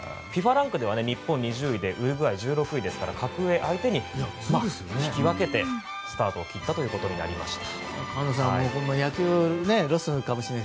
ランクでは日本２０位でウルグアイは１６位ですから格上相手に引き分けてスタートを切ったとなりました。